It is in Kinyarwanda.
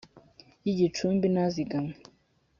y igicumbi n azigamwe